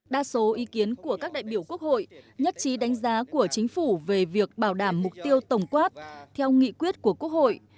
đa số ý kiến của các đại biểu quốc hội nhất trí đánh giá của chính phủ về việc bảo đảm mục tiêu tổng quát theo nghị quyết của quốc hội